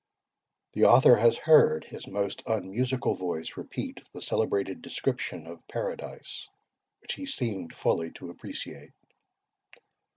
The author has heard his most unmusical voice repeat the celebrated description of Paradise, which he seemed fully to appreciate.